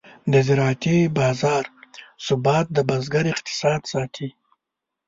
د زراعتي بازار ثبات د بزګر اقتصاد ساتي.